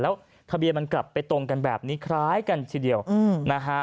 แล้วทะเบียนมันกลับไปตรงกันแบบนี้คล้ายกันทีเดียวนะฮะ